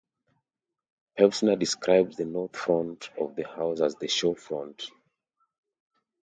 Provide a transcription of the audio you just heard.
Pevsner describes the north front of the house as the "show" front.